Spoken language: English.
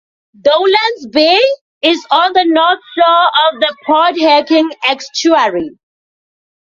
Dolans Bay is on the north shore of the Port Hacking estuary.